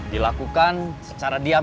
dilakukan secara diam diam